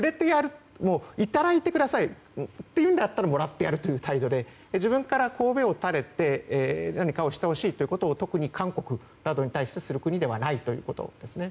いただいてくださいだったらもらってやるという態度で自分からこうべを垂れて何かをしてほしいと特に韓国などに対してする国ではないということですね。